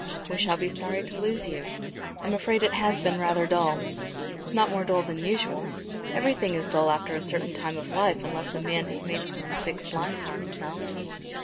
"We shall be sorry to lose you. I'm afraid it has been rather dull." "Not more dull than usual. Everything is dull after a certain time of life unless a man has made some fixed line for himself.